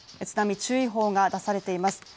津波注意報が出されています